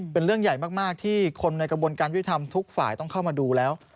เป็นเรื่องใหญ่มากที่คนในกระบวนการยุทธรรมทุกฝ่ายต้องเข้ามาดูแล้ว